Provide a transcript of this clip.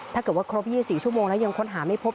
ถ้าเกิดว่าครบ๒๔ชั่วโมงแล้วยังค้นหาไม่พบ